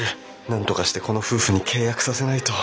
なんとかしてこの夫婦に契約させないと。